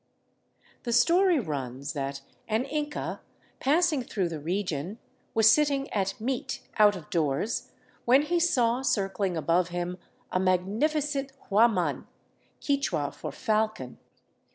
The story runs that an Inca, pass ing through the region, was sitting at meat out of doors when he saw, circling above him, a magnificent huaman, Quichua for falcon.